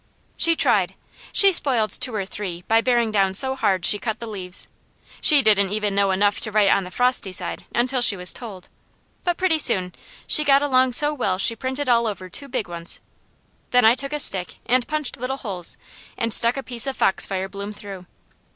She tried. She spoiled two or three by bearing down so hard she cut the leaves. She didn't even know enough to write on the frosty side, until she was told. But pretty soon she got along so well she printed all over two big ones. Then I took a stick and punched little holes and stuck a piece of foxfire bloom through.